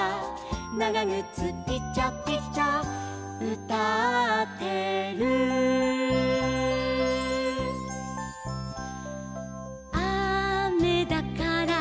「ながぐつピチャピチャうたってる」「あめだから」